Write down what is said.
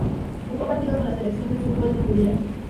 Jugó un partido con la selección de fútbol de Hungría.